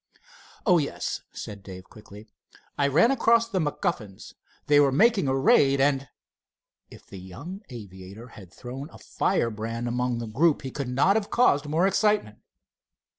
"Oh, yes," said Dave, quickly. "I ran across the MacGuffins. They were making a raid, and——" If the young aviator had thrown a firebrand among the group he could not have caused more excitement.